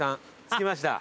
着きました。